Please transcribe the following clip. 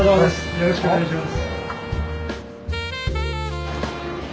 よろしくお願いします。